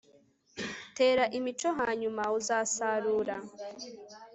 tera imico hanyuma uzasarura